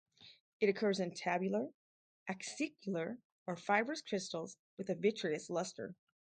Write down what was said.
It occurs in tabular, acicular, or fibrous crystals with a vitreous luster.